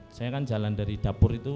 saya kan jalan dari dapur itu